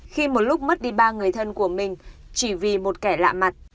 khi một lúc mất đi ba người thân của mình chỉ vì một kẻ lạ mặt